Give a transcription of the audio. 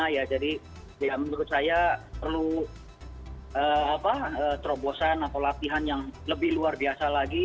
ya jadi ya menurut saya perlu terobosan atau latihan yang lebih luar biasa lagi